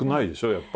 やっぱ。